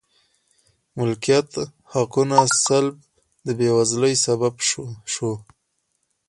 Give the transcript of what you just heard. مالکیت حقونو سلب د بېوزلۍ سبب شو.